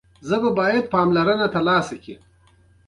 ژبه باید پاملرنه ترلاسه کړي.